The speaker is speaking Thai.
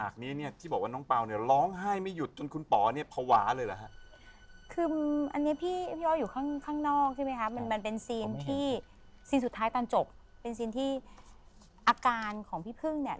แค่พอในฉากนี้เนี่ยที่บอกว่าน้องป่าวเนี่ย